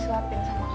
yang mereka dunno